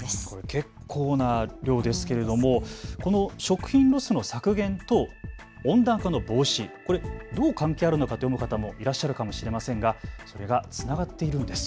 結構な量ですけれどもこの食品ロスの削減と温暖化の防止、これ、どう関係あるのかと思う方もいらっしゃるかもしれませんがそれがつながっているんです。